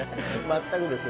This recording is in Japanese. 全くです。